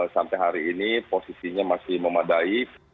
sampai hari ini posisinya masih memadai